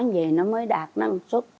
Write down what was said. vậy nó mới đạt năng suất